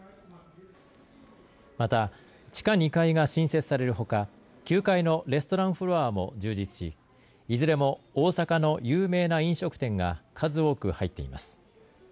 また、地下２階が新設されるほか９階のレストランフロアも充実しいずれも大阪の有名な飲食店が数多く入っています。